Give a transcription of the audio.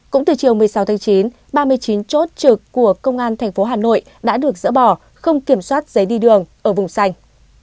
cũng từ chiều một mươi sáu tháng chín ba mươi chín chốt trực của công an tp hà nội đã được dỡ bỏ không kiểm soát giấy đi đường ở vùng xanh